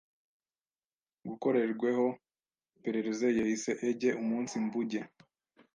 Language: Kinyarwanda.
gukorweho iperereze yehise ejye umunsi mbuge